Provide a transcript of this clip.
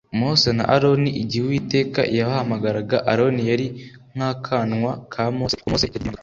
Mose na aroni igihe uwiteka yabahamagaraga aroni yari nkakanwa ka mose kuko mose yadidimangaga.